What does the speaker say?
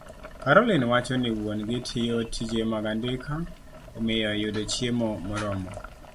Caroline wacho ni wuon-gi tiyo tije mag andika, omiyo yudo chiemo moromo